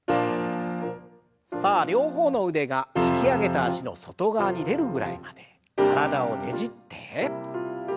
さあ両方の腕が引き上げた脚の外側に出るぐらいまで体をねじって。